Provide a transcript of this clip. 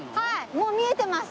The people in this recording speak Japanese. もう見えてます。